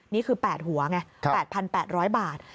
นี่คือ๘หัวไง๘๘๐๐บาท